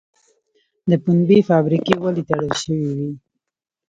د پنبې فابریکې ولې تړل شوې وې؟